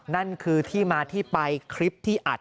นั่นคือที่มาที่ไปคลิปที่อัด